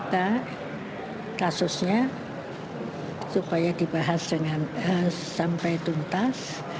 kita kasihkan kemampuan untuk membuat kasusnya supaya dibahas sampai tuntas